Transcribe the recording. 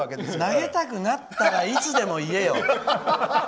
投げたくなったらいつでも言えよ。